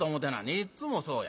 いっつもそうや。